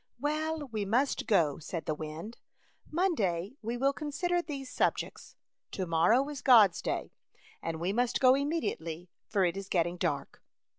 " Well, we must go," said the wind. " Monday we will consider these sub jects. To morrow is God's day, and we must go immediately, for it is getting dark."